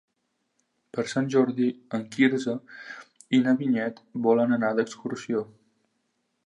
Per Sant Jordi en Quirze i na Vinyet volen anar d'excursió.